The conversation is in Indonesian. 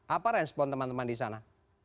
apa respon teman teman di sana